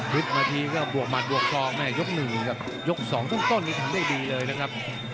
วินาทีก็บวกหมัดบวกทองแม่ยก๑กับยก๒ทุกต้นนี้ทำได้ดีเลยนะครับ